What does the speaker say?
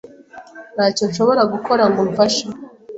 Ntacyo nshobora gukora ngo mfashe .